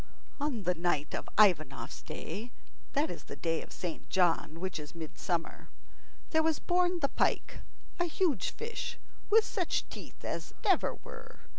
On the night of Ivanov's Day (that is the day of Saint John, which is Midsummer) there was born the pike, a huge fish, with such teeth as never were.